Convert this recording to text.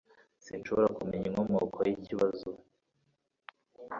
Sinshobora kumenya inkomoko yikibazo.